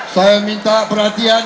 saya minta perhatian